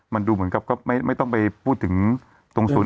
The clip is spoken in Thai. มันดูเหมือนกับก็ไม่ต้องไปพูดถึงตรงศูนย์